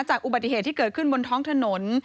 อุบัติเหตุที่เกิดขึ้นบนท้องถนน